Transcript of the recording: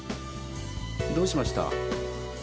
どうしました？